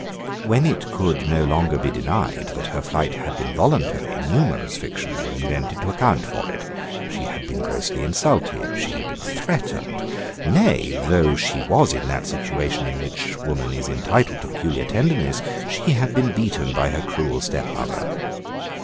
When it could no longer be denied that her flight had been voluntary, numerous fictions were invented to account for it. She had been grossly insulted; she had been threatened; nay, though she was in that situation in which woman is entitled to peculiar tenderness, she had been beaten by her cruel stepmother.